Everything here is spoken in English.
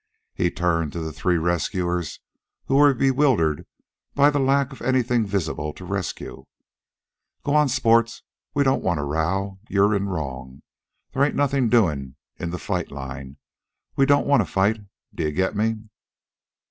He turned to the three rescuers, who were bewildered by the lack of anything visible to rescue. "Go on, sports. We don't want a row. You're in wrong. They ain't nothin' doin' in the fight line. We don't wanta fight d'ye get me?"